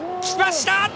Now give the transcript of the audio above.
きました！